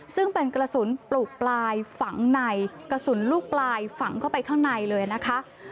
ซึ่งเป็นกระสุนปลูกปลายฝังในกระสุนลูกปลายฝังเข้าไปข้างในเลยนะคะ